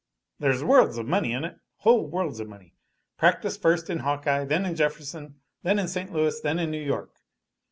There's worlds of money in it! whole worlds of money! Practice first in Hawkeye, then in Jefferson, then in St. Louis, then in New York!